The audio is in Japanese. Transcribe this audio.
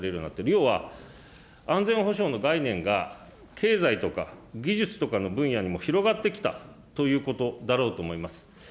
要は安全保障の概念が、経済とか技術とかの分野にも広がってきたということだろうと思います。